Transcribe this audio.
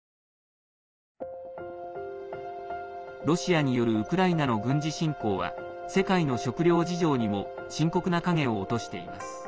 ロシアによるウクライナの軍事侵攻は世界の食糧事情にも深刻な影を落としています。